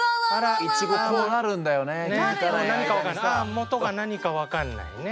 元が何か分かんないね。